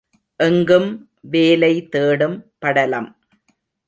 எங்கும் வேலை தேடும் படலம்!